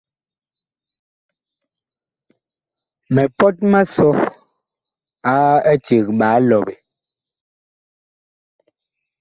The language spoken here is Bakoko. Mipɔt ma sɔ a eceg ɓaa lɔɓe.